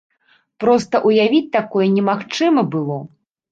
Проста ўявіць такое немагчыма было!